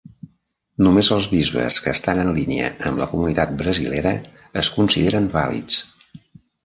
Només els bisbes que estan en línia amb la comunió brasilera es consideren vàlids.